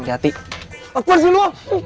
aku harus dulu